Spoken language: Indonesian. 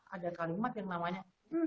ada kalimat yang namanya